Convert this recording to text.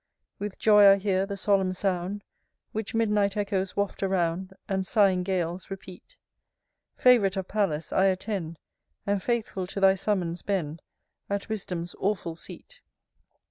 II. With joy I hear the solemn sound, Which midnight echoes waft around, And sighing gales repeat. Fav'rite of Pallas! I attend, And, faithful to thy summons, bend At Wisdom's awful seat.